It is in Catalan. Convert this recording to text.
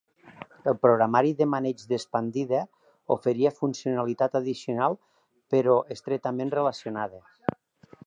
El programari de maneig d'expandida oferia funcionalitat addicional però estretament relacionada.